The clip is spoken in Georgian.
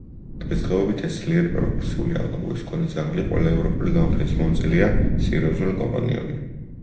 დღესდღეობით ეს ძლიერი, პროპორციული აღნაგობის მქონე ძაღლი ყველა ევროპული გამოფენის მონაწილეა, სერიოზული, კომპანიონია.